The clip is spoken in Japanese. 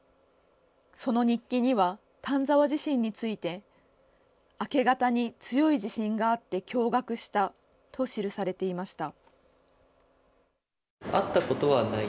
その日記には、丹沢地震について明け方に強い地震があって驚がくしたと記されていました。